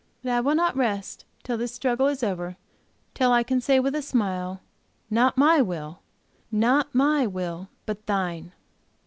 But I will not rest until till this struggle is over; till I can say with a smile, "Not my will! Not my will! But Thine!"